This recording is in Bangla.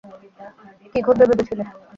কী ঘটবে ভেবেছিলে?